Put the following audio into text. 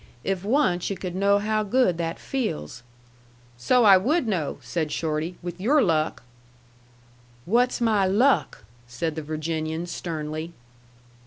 If once yu' could know how good that feels " "So I would know," said Shorty, "with your luck." "What's my luck?" said the Virginian, sternly.